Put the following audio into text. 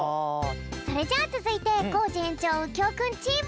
それじゃあつづいてコージ園長うきょうくんチーム！